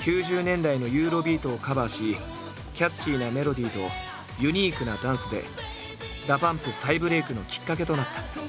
９０年代のユーロビートをカバーしキャッチーなメロディーとユニークなダンスでＤＡＰＵＭＰ再ブレークのきっかけとなった。